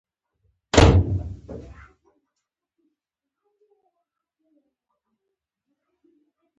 يره کال ته به اوه څلوېښت کلن شم.